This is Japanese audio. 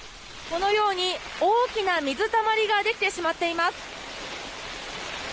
このように大きな水たまりができてしまっています。